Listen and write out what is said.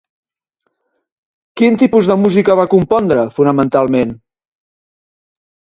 Quin tipus de música va compondre, fonamentalment?